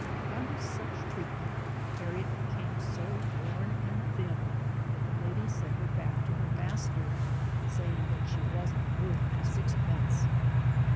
Under such treatment, Harriet became so worn and thin that the lady sent her back to her master saying that she wasn't worth a six pence.